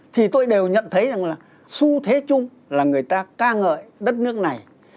thì tôi đều nhận thấy rằng là xu thế chung là người ta ca ngợi đất nước này